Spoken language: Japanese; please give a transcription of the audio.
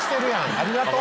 ありがとう。